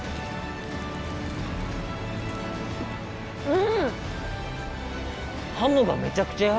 うん！